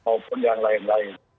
maupun yang lain lain